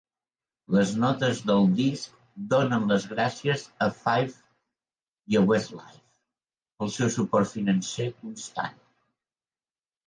Les notes del disc donen les "gràcies" a Five i a Westlife "pel seu suport financer constant".